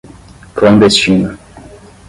clandestina